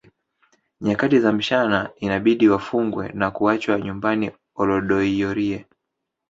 Nyakati za mchana inabidi wafungwe na kuachwa nyumbani Olodoyiorie